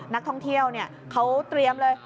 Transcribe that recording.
นักท่องเที่ยวเขาเตรียมเลย